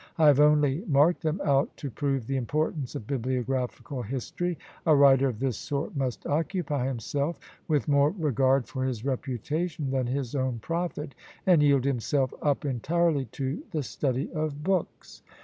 I have only marked them out to prove the importance of bibliographical history. A writer of this sort must occupy himself with more regard for his reputation than his own profit, and yield himself up entirely to the study of books."